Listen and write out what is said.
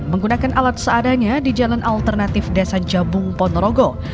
menggunakan alat seadanya di jalan alternatif desan cabung ponorogo